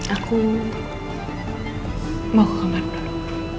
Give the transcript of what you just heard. aku mau ke kamar dulu